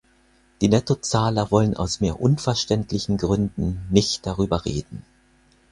Die Nettozahler wollen aus mir unverständlichen Gründen nicht darüber reden.